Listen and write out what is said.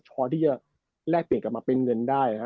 พอที่จะแลกเปลี่ยนกลับมาเป็นเงินได้ครับ